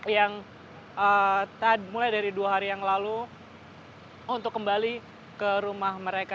yang mulai dari dua hari yang lalu untuk kembali ke rumah mereka